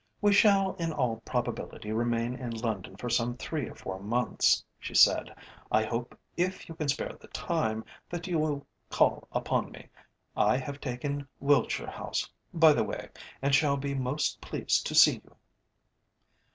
"We shall in all probability remain in London for some three or four months," she said. "I hope, if you can spare the time, that you will call upon me. I have taken Wiltshire House, by the way, and shall be most pleased to see you."